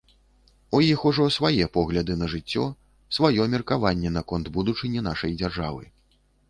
У іх ужо свае погляды на жыццё, сваё меркаванне наконт будучыні нашай дзяржавы.